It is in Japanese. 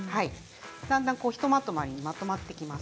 だんだん、ひとまとまりにまとまってきます。